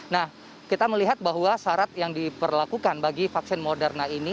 nah kita melihat bahwa syarat yang diperlakukan bagi vaksin moderna ini